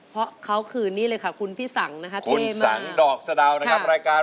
เพราะเค้าคือนี่เลยค่ะคุณพี่สั่งนะครับคุณสั่งดอกเสด่าวนะครับ